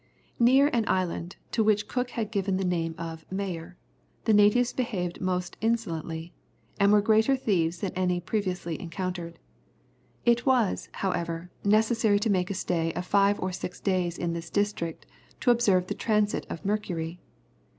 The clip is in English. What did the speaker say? Near an island, to which Cook had given the name of Mayor, the natives behaved most insolently, and were greater thieves than any previously encountered. It was, however, necessary to make a stay of five or six days in this district, to observe the transit of Mercury.